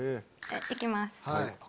行きます。